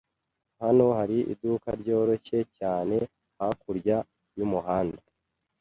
Hano hari iduka ryoroshye cyane hakurya y'umuhanda.